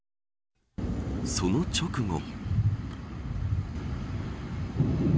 その直後。